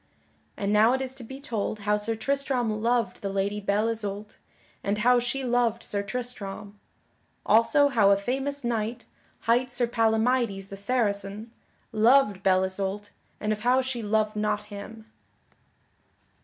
And now it is to be told how Sir Tristram loved the Lady Belle Isoult and how she loved Sir Tristram. Also how a famous knight, hight Sir Palamydes the Saracen, loved Belle Isoult and of how she loved not him.